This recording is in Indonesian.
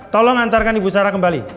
tolong antarkan ibu sarah kembali